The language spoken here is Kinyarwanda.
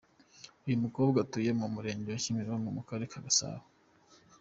Uyu mukobwa atuye mu Murenge wa Kimironko mu Karere ka Gasabo.